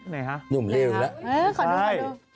ฮะฮ่าฮ่าฮ่าฮ่า